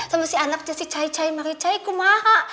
sama si anaknya si cai cai mary cai kumaha